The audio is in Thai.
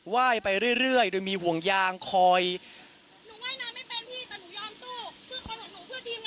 ว่ายไปเรื่อยโดยมีห่วงยางคอยหนูว่ายน้ำไม่เป็นพี่แต่หนูยอมสู้